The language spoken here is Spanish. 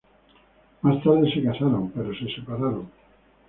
Más tarde se casaron, pero se separaron.